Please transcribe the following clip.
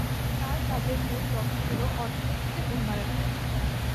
তার কাজের মূল লক্ষ্য হলো অর্থনীতিতে উন্নয়ন।